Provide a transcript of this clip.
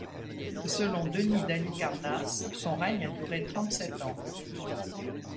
Selon Denys d'Halicarnasse, son règne a duré trente-sept ans.